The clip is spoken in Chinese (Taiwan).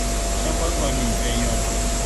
相關管理費用